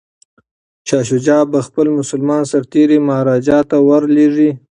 شاه شجاع به خپل مسلمان سرتیري مهاراجا ته ور لیږي.